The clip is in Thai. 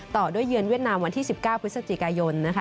ต่อด้วยเยือนเวียดนามวันที่๑๙พฤศจิกายนนะคะ